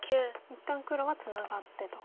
一旦黒はツナがってと。